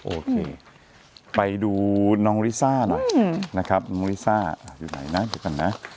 โอเคไปดูน้องลิซ่าหน่อยนะครับน้องลิซ่าอยู่ไหนนะอยู่กันนะ